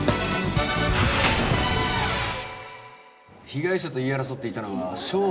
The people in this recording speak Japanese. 被害者と言い争っていたのは正野勇樹